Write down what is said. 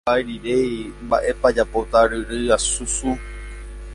che ndaikuaairei mba'épa ajapóta aryrýi asusũ